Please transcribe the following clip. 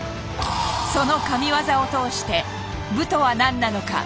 その神業を通して武とは何なのか？